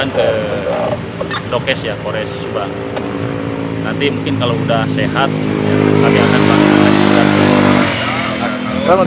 nanti mungkin kalau sudah sehat kami akan panggil